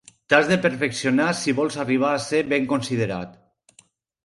T'has de perfeccionar si vols arribar a ser ben considerat.